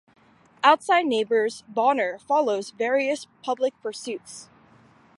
Outside "Neighbours" Bonner follows various public pursuits.